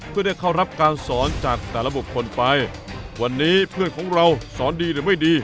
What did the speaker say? เพื่อได้เข้ารับการสอนจากแต่ละบุคคลไปวันนี้เพื่อนของเราสอนดีหรือไม่ดี